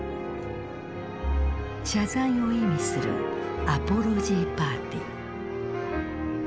謝罪を意味するアポロジーパーティー。